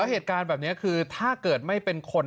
เหตุการณ์แบบนี้คือถ้าเกิดไม่เป็นคน